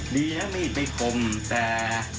ดีนะมีดไปคมแต่